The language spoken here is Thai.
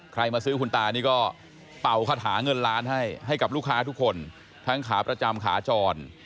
มาซื้อคุณตานี่ก็เป่าคาถาเงินล้านให้ให้กับลูกค้าทุกคนทั้งขาประจำขาจร